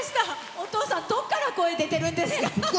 お父さん、どこから声が出てるんですか？